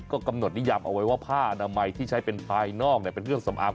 ก็กำหนดนิยามเอาไว้ว่าผ้าอนามัยที่ใช้เป็นภายนอกเป็นเครื่องสำอาง